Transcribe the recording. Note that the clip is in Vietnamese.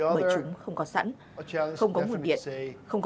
bởi chúng không có sẵn không có nguồn điện